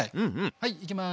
はいいきます。